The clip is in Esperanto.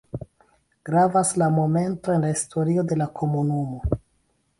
Gravas la momento en la historio de la komunumo.